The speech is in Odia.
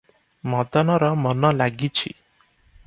ମଦନର ମନ ଲାଗିଛି ।